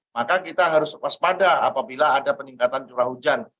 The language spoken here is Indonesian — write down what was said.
maka kita harus waspada apabila ada peningkatan curah hujan